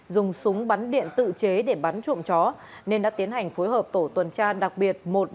dùng súng bắn điện tự chế để bắn trộm chó nên đã tiến hành phối hợp tổ tuần tra đặc biệt